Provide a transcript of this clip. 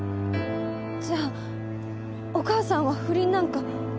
じゃあお母さんは不倫なんか。